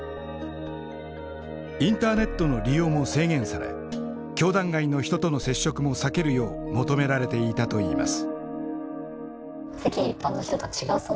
インターネットの利用も制限され教団外の人との接触も避けるよう求められていたといいます。